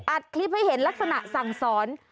คลิปให้เห็นลักษณะสั่งสอน